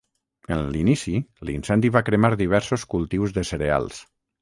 En l’inici, l’incendi va cremar diversos cultius de cereals.